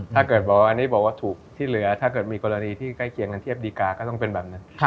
ถ้าเกิดบอกว่าอันนี้บอกว่าถูกที่เหลือถ้าเกิดมีกรณีที่ใกล้เคียงกันเทียบดีการ์ก็ต้องเป็นแบบนั้น